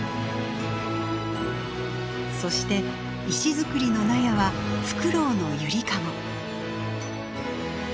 そして石造りの納屋はフクロウの揺りかご。